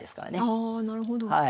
あなるほど。